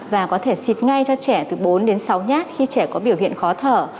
và có thể xịt ngay cho trẻ từ bốn đến sáu nhát khi trẻ có biểu hiện khó thở